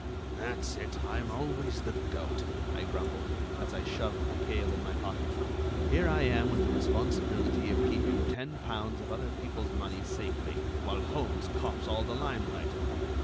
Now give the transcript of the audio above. "That's it. I'm always the goat," I grumbled, as I shoved the kale in my pocket. "Here I am with the responsibility of keeping ten pounds of other people's money safely, while Holmes cops all the limelight!"